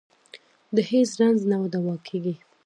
د هېڅ رنځ نه دوا کېږي.